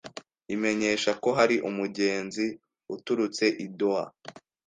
imenyesha ko hari umugenzi uturutse i Doha